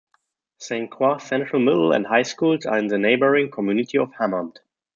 Saint Croix Central Middle and High Schools are in the neighboring community of Hammond.